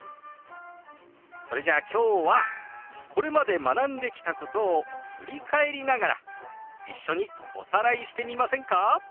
それじゃあ今日はこれまで学んできたことを振り返りながら一緒におさらいしてみませんか？